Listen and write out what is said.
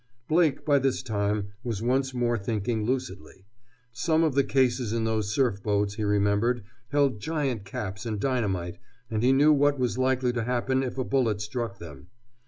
Blake, by this time, was once more thinking lucidly. Some of the cases in those surf boats, he remembered, held giant caps and dynamite, and he knew what was likely to happen if a bullet struck them.